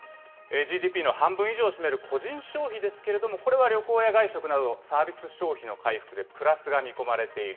ＧＤＰの半分以上を占める個人消費ですけれども、これは旅行や外食などサービス消費の回復でプラスが見込まれている。